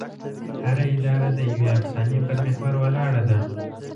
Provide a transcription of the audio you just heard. هره اداره د یوې افسانې پر محور ولاړه ده.